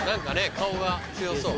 顔が強そう。